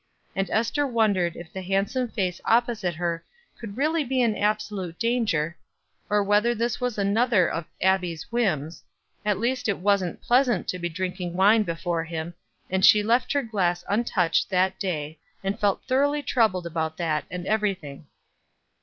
And Ester wondered if the handsome face opposite her could really be in absolute danger, or whether this was another of Abbie's whims at least it wasn't pleasant to be drinking wine before him, and she left her glass untouched that day, and felt thoroughly troubled about that and everything.